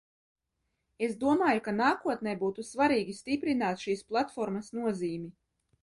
Es domāju, ka nākotnē būtu svarīgi stiprināt šīs platformas nozīmi.